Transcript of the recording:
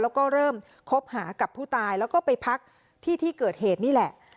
แล้วก็เริ่มคบหากับผู้ตายแล้วก็ไปพักที่ที่เกิดเหตุนี่แหละ